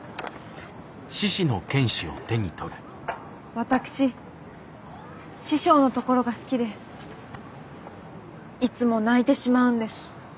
私師匠のところが好きでいつも泣いてしまうんです。